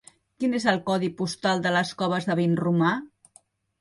Quin és el codi postal de les Coves de Vinromà?